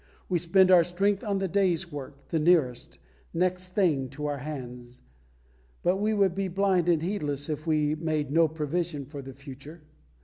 We spend our strength on the day's work, the nearest "next thing" to our hands. But we would be blind and heedless if we made no provision for the future.